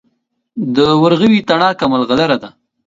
د ورغوي تڼاکه ملغلره ده.